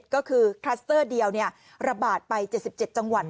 ก็คือคลัสเตอร์เดียวระบาดไป๗๗จังหวัด